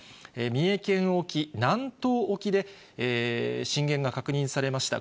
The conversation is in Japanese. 三重県沖、南東沖で、震源が確認されました。